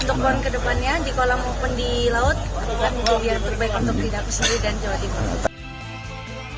untuk pon kedepannya di kolam open di laut itu yang terbaik untuk diri aku sendiri dan jawa timur